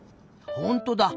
ほんとだ。